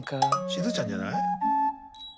しずちゃんじゃない？